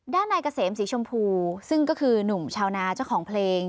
นายเกษมสีชมพูซึ่งก็คือหนุ่มชาวนาเจ้าของเพลง